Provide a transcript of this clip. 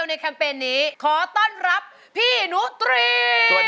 สวัสดีค่ะคุณหนุตรี